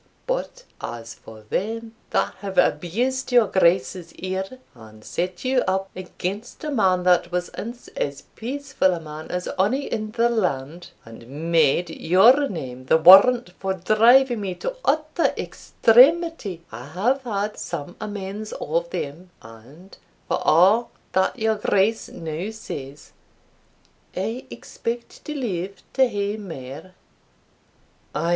But as for them that have abused your Grace's ear, and set you up against a man that was ance as peacefu' a man as ony in the land, and made your name the warrant for driving me to utter extremity, I have had some amends of them, and, for a' that your Grace now says, I expect to live to hae mair."